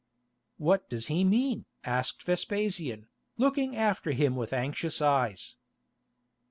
"What does he mean?" asked Vespasian, looking after him with anxious eyes.